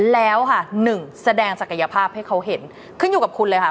แล้วค่ะหนึ่งแสดงศักยภาพให้เขาเห็นขึ้นอยู่กับคุณเลยค่ะ